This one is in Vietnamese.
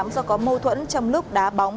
do có mâu thuẫn trong lúc đá bóng